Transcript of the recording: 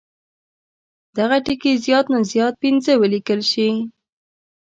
دغه ټکي زیات نه زیات پنځه ولیکل شي.